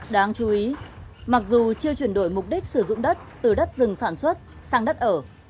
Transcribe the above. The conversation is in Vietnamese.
đáng chú ý mặc dù chưa chuyển đổi mục đích sử dụng đất từ đất rừng sản xuất sang đất ở